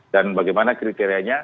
dan bagaimana kriterianya